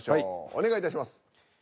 お願いいたします。